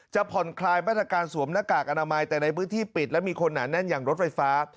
ผ่อนคลายมาตรการสวมหน้ากากอนามัยแต่ในพื้นที่ปิดและมีคนหนาแน่นอย่างรถไฟฟ้า